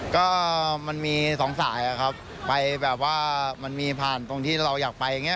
ก็มันมีสองสายอะครับไปแบบว่ามันมีผ่านตรงที่เราอยากไปอย่างนี้